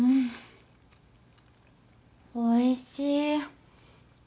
おいしい！